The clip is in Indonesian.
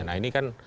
nah ini kan